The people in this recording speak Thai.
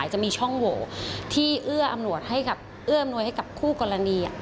ให้เหื่ออำนวยให้กับคู่กรณี